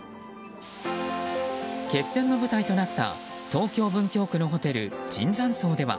決戦の舞台となった東京・文京区のホテル椿山荘では